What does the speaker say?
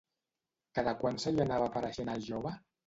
Cada quant se li anava apareixent al jove?